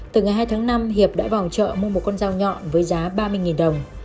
từ ngày hai tháng năm hiệp đã vào chợ mua một con dao nhọn với giá ba mươi đồng